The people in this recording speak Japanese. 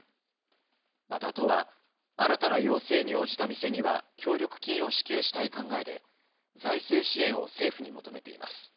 また都は新たな要請に応じた店には協力金を支給したい考えで財政支援を政府に求めています。